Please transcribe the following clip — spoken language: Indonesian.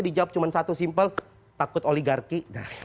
dijawab cuma satu simple takut oligarki